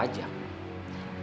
dengan rakyat dinda